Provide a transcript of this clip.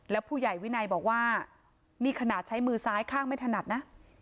แล้วผู้ใหญ่วินัยบอกว่านี่ขนาดใช้มือซ้ายข้างไม่ถนัดนะ